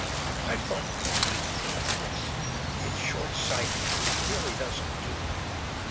I've thought pretty deeply about this. It's shortsighted; it really doesn't do!"